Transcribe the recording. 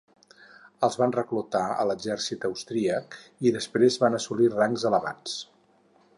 Els van reclutar a l'exèrcit austríac i després van assolir rangs elevats.